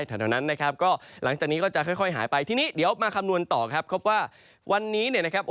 คุณผู้ชมดูภาพอากาศหลังจากนี้เนี่ยนะครับบริเวณตอนกลางประเทศช่วงเช้าวันนี้เนี่ยนะครับ